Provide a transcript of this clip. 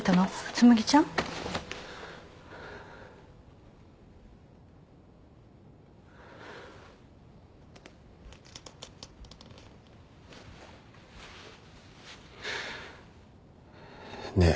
紬ちゃん？ねえ。